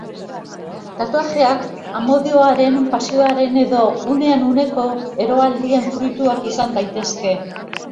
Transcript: Tatuajeak amodioaren, pasioaren edo unean uneko eroaldien fruituak izan daitezke.